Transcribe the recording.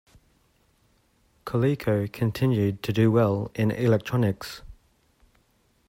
Coleco continued to do well in electronics.